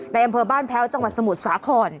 อำเภอบ้านแพ้วจังหวัดสมุทรสาคร